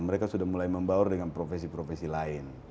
mereka sudah mulai membaur dengan profesi profesi lain